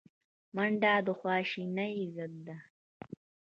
منډه د خواشینۍ ضد ده